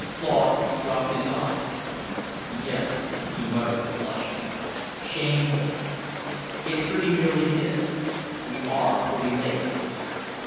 Claude dropped his eyes. "Yes," he muttered, blushing, "shame could. It pretty nearly did. We are pretty late."